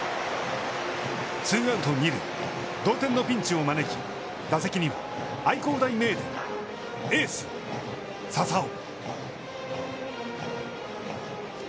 ツーアウト二塁同点のピンチを招き打席には、愛工大名電エース笹尾。